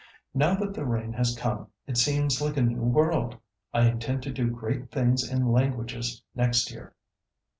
Now that the rain has come, it seems like a new world. I intend to do great things in languages next year.